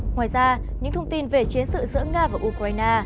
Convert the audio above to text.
ngoài ra những thông tin về chiến sự giữa nga và ukraine